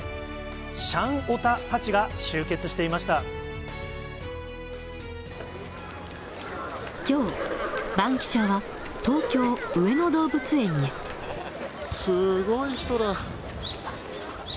シャンオタたちが、集結していまきょう、バンキシャは、すごい人だ。